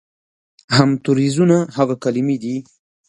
همتوریزونه هغه کلمې دي